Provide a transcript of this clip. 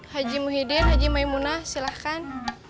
haji muhyiddin haji maimunah silahkan